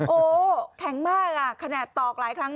โอ้แข็งมากอ่ะขนาดตอกหลายครั้ง